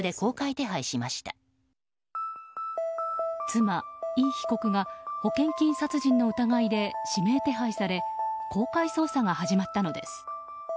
妻イ被告が保険金殺害の疑いで指名手配され公開捜査が始まったのです。